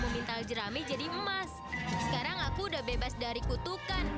bu gendis nggak apa apa kan